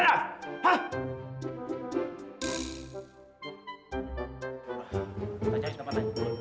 kita cari tempat lagi